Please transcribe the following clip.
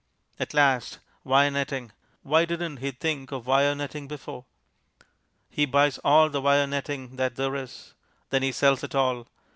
At last. Wire Netting! Why didn't he think of Wire Netting before? He buys all the Wire Netting that there is. Then he sells it all.